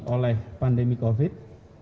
oleh pandemi covid sembilan belas